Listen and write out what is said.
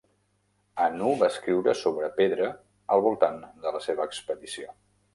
Hannu va escriure sobre pedra al voltant de la seva expedició.